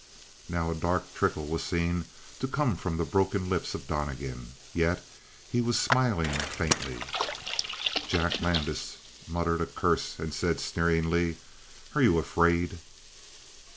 Now a dark trickle was seen to come from the broken lips of Donnegan, yet he was smiling faintly. Jack Landis muttered a curse and said sneeringly: "Are you afraid?"